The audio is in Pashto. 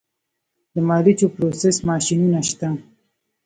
د مالوچو پروسس ماشینونه شته